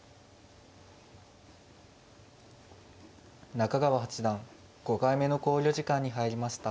中川八段５回目の考慮時間に入りました。